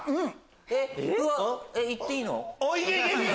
えっ言っていいの？